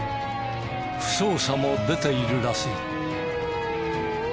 負傷者も出ているらしい。